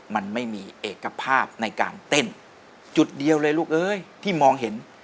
มันไม่มีเอกภาพในการเต้นจุดเดียวเลยลูกเอ้ยที่มองเห็น